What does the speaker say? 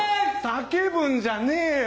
叫ぶんじゃねえよ